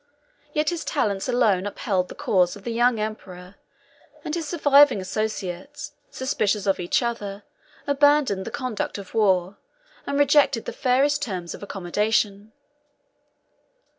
Yet his talents alone upheld the cause of the young emperor; and his surviving associates, suspicious of each other, abandoned the conduct of the war, and rejected the fairest terms of accommodation.